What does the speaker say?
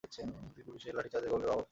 তিনি পুলিশের লাঠিচার্জে গভীর ভাবে আহত হন।